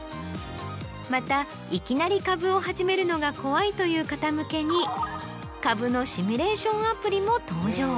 またいきなり株を始めるのが怖いという方向けに株のシミュレーションアプリも登場。